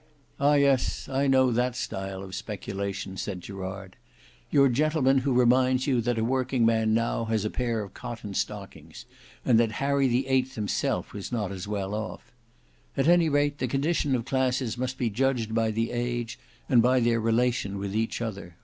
"Ah! yes, I know that style of speculation," said Gerard; "your gentleman who reminds you that a working man now has a pair of cotton stockings, and that Harry the Eighth himself was not as well off. At any rate, the condition of classes must be judged of by the age, and by their relation with each other.